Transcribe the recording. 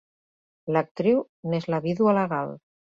L'actriu n'és la vídua legal.